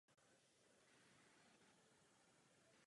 Pokrývá okolo osmi procent francouzské spotřeby elektrické energie.